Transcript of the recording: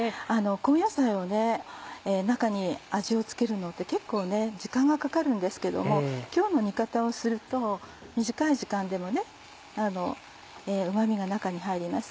根野菜を中に味を付けるのって結構時間がかかるんですけども今日の煮方をすると短い時間でもうま味が中に入ります。